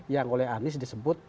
yang oleh anies disebut